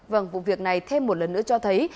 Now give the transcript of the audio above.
vâng vụ việc này thêm một lần nữa cho thấy